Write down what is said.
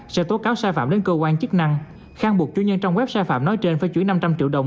sẽ tố cáo sai phạm đến cơ quan chức năng khang buộc chủ nhân trong website phạm nói trên phải chuyển năm trăm linh triệu đồng